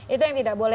itu yang tidak boleh